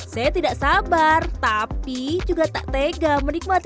saya tidak sabar tapi juga tak tega menikmati